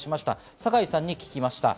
酒井さんに聞きました。